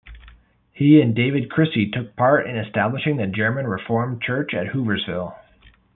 He and David Crissey took part in establishing the German Reformed Church at Hooversville.